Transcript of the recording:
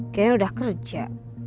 kayaknya udah kerja